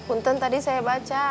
untung tadi saya baca